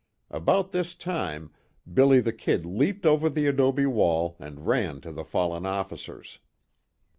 About this time, "Billy the Kid" leaped over the adobe wall and ran to the fallen officers.